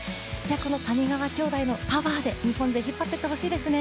この谷川兄弟のパワーで日本勢を引っ張っていってほしいですね。